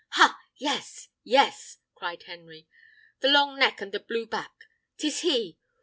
"Ha! yes, yes!" cried Henry. "The long neck and the blue back! 'Tis he.